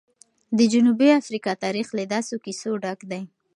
د جنوبي افریقا تاریخ له داسې کیسو ډک دی.